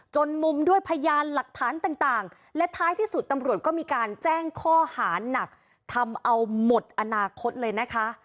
มุมด้วยพยานหลักฐานต่างและท้ายที่สุดตำรวจก็มีการแจ้งข้อหานักทำเอาหมดอนาคตเลยนะคะ